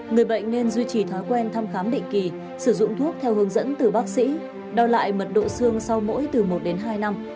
người bệnh nên duy trì thói quen thăm khám định kỳ sử dụng thuốc theo hướng dẫn từ bác sĩ đo lại mật độ xương sau mỗi từ một đến hai năm